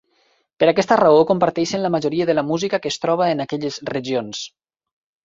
Per aquesta raó, comparteixen la majoria de la música que es troba en aquelles regions.